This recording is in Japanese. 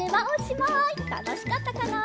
たのしかったかな？